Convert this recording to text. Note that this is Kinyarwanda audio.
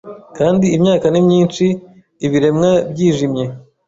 Kandi imyaka ni myinshi, ibiremwa byijimye